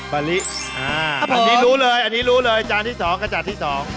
ะลิอ่าอันนี้รู้เลยอันนี้รู้เลยจานที่สองกระจานที่สอง